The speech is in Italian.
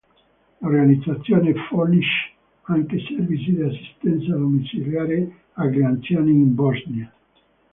L'Organizzazione fornisce anche servizi di assistenza domiciliare agli anziani in Bosnia.